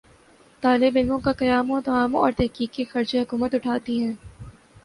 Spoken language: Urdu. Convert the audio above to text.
طالب علموں کا قیام و طعام اور تحقیق کا خرچ حکومت اٹھاتی ہے